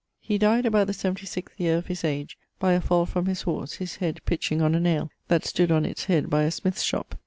He dyed about the seaventy sixth yeare of his age by a fall from his horse, his head pitching on a nail that stood on its head by a smyth's shop.